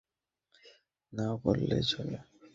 সবচেয়ে আনন্দদায়ক অংশ ছিল, বিদ্রোহ নেই বললেই চলে!